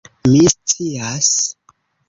"Mi scias."